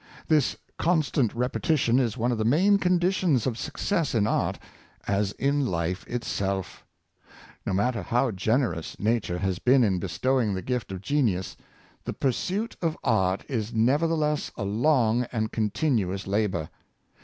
This constant repetition is one of the main conditions of success in art, as in Hfe itself No matter how generous nature has been in bestowing the gift of genius, the pursuit of art is nevertheless a long and continuous labor.